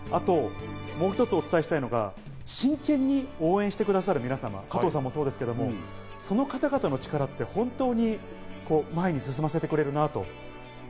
もう一つお伝えしたいのが、真剣に応援してくださる皆様、加藤さんもそうですけど、その方々の力って本当に前に進ませてくれるなと。